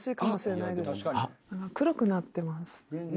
黒くなってます。